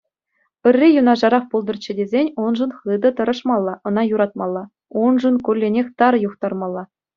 Ырри юнашарах пултӑрччӗ тесен уншӑн хытӑ тӑрӑшмалла, ӑна юратмалла, уншӑн кулленех тар юхтармалла.